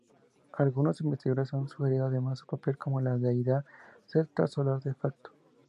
Algunos investigadores han sugerido, además, su papel como la deidad celta solar de facto.